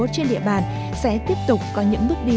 trên địa bàn sẽ tiếp tục có những bước đi